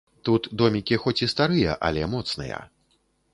Тут домікі хоць і старыя, але моцныя.